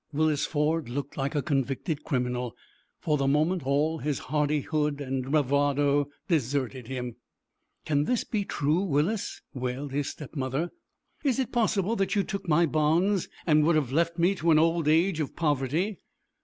Willis Ford looked like a convicted criminal. For the moment all his hardihood and bravado deserted him. "Can this be true, Willis?" wailed his stepmother. "Is it possible that you took my bonds, and would have left me to an old age of poverty?"